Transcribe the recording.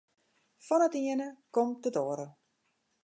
Fan it iene komt it oare.